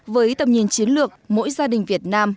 với tầm nhìn chiến lược mỗi gia đình việt nam